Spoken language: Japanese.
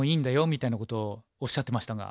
みたいなことをおっしゃってましたが。